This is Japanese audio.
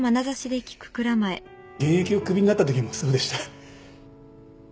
現役を首になったときもそうでした。